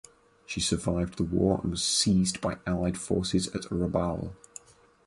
She survived the war and was seized by allied forces at Rabaul.